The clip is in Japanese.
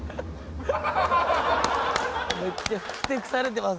めっちゃふてくされてますね。